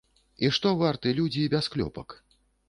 І што варты людзі без клёпак?